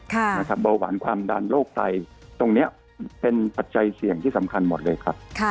เบาหวานความดันโรคไตตรงนี้เป็นปัจจัยเสี่ยงที่สำคัญหมดเลยครับ